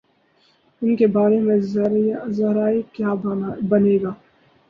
ان کے بارے میں ذریعہ کیا بنے گا؟